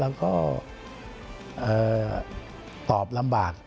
เราก็ตอบลำบาก